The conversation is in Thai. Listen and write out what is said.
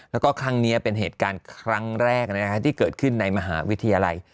แล้วก็ครั้งนี้เป็นเหตุการณ์ครั้งแรกที่เกิดขึ้นในมหาวิทยาลัย